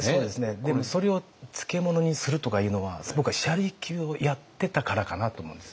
でもそれを漬物にするとかいうのは僕は車力をやってたからかなと思うんです。